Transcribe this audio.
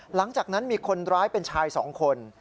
หลังจากนั้นมีคนร้ายเป็นชาย๒คน